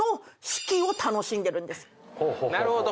なるほど。